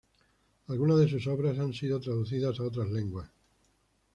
Algunas de sus obras han sido traducidas a otras lenguas.